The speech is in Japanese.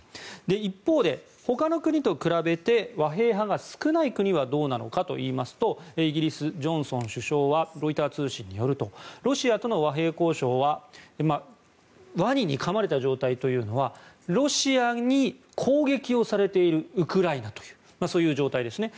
一方で、ほかの国と比べて和平派が少ない国はどうなのかといいますとイギリスのジョンソン首相はロイター通信によるとロシアとの和平交渉はワニにかまれた状態というのはロシアに攻撃をされているウクライナというそういう状態ですね